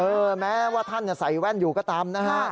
เออแม้ว่าท่านใส่แว่นอยู่ก็ตามนะครับ